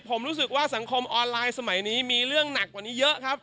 ผมรู้สึกว่าสังคมออนไลน์สมัยนี้มีเรื่องหนักกว่านี้เยอะครับ